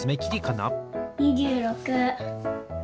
２６。